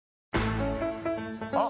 あ！